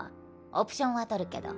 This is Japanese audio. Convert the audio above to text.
オプションは取るけど。